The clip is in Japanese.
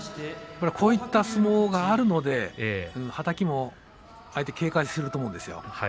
こういった相撲があるのではたきも相手は警戒すると思いますよ。